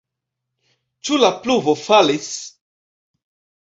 Ĉu la pluvo falis?